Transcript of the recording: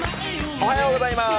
おはようございます。